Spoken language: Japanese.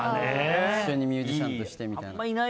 一緒にミュージシャンとしてみたいな。